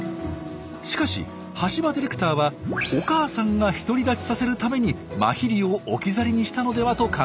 しかし橋場ディレクターはお母さんが独り立ちさせるためにマヒリを置き去りにしたのではと考えたんです。